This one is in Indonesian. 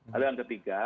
lalu yang ketiga